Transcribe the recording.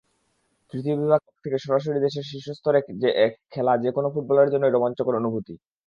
তৃতীয় বিভাগ থেকে সরাসরি দেশের শীর্ষস্তরে খেলা যেকোনো ফুটবলারের জন্যই রোমাঞ্চকর অনুভূতি।